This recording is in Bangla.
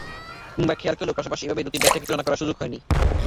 কিংবা খেয়াল করলেও পাশাপাশি এভাবে দুটি ব্যাট রেখে তুলনা করার সুযোগ হয়নি।